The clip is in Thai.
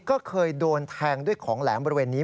ก็เคยโดนแทงด้วยของแหลมบริเวณนี้